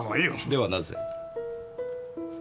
ではなぜ？